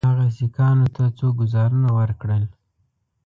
هغه سیکهانو ته څو ګوزارونه ورکړل.